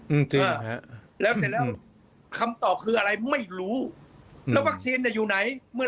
อืมจริงนะแล้วเสร็จแล้วคำตอบคืออะไรไม่รู้แล้วจะอยู่ไหนเมื่อ